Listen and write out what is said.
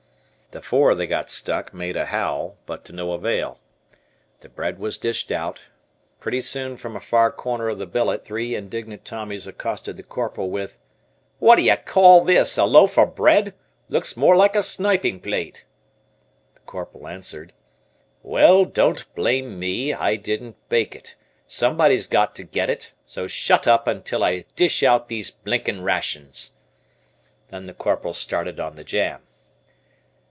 The four that got stuck made a howl, but to no avail. The bread was dished out. Pretty soon from a far corner of the billet, three indignant Tommies accosted the Corporal with, "What do you call this, a loaf of bread? Looks more like a sniping plate." The Corporal answered: "Well, don't blame me, I didn't bake it, somebody's got to get it, so shut up until I dish out these blinkin' rations." Then the Corporal started on the jam.